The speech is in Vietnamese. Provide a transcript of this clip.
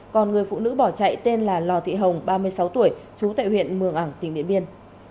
còn người phụ nữ bỏ chạy tên là lò thị hồng ba mươi sáu tuổi trú tại huyện mường ảng tỉnh điện biên